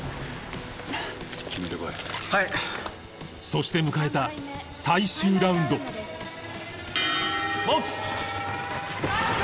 そして迎えた最終ラウンドボックス！